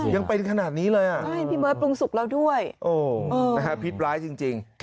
ยังเป็นขนาดนี้เลยพี่เม้อปรุงสุกแล้วด้วยพิษร้ายจริง